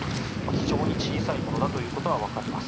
非常に小さいものだということはわかります。